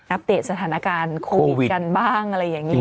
ปเดตสถานการณ์โควิดกันบ้างอะไรอย่างนี้